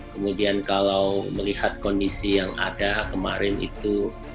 kemudian kalau melihat kondisi yang ada kemarin itu